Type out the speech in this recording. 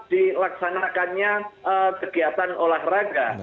dilaksanakannya kegiatan olahraga